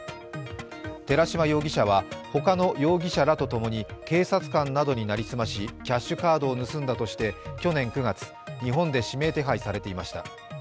寺島容疑者はほかの容疑らとともに、警察官などに成り済まし、キャッシュカードを盗んだとして、去年９月、日本で指名手配されていました。